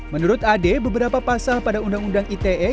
menurut ade beberapa pasal pada undang undang ite